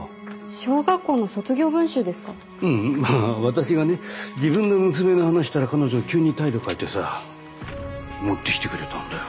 私がね自分の娘の話したら彼女急に態度変えてさ持ってきてくれたんだよ。